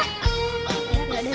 gak ada nek